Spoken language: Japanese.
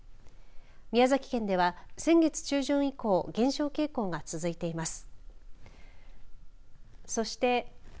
宮崎県では先月中旬以降減少傾向が続いています。